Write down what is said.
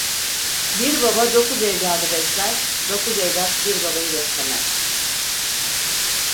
Bir baba dokuz evladı besler, dokuz evlat bir babayı beslemez.